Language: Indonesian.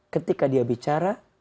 ketika dia bicara